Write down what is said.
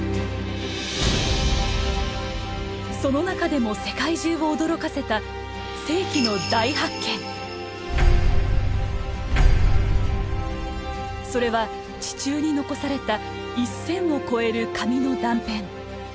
その中でも世界中を驚かせたそれは地中に残された１，０００を超える紙の断片。